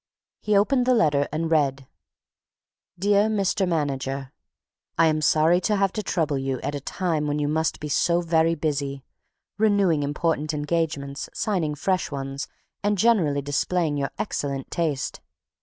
He opened the letter and read: DEAR MR. MANAGER: I am sorry to have to trouble you at a time when you must be so very busy, renewing important engagements, signing fresh ones and generally displaying your excellent taste.